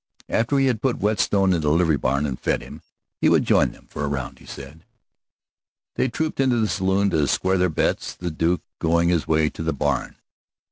After he had put Whetstone in the livery barn and fed him, he would join them for a round, he said. They trooped into the saloon to square their bets, the Duke going his way to the barn.